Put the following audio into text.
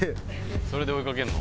それで追いかけるの？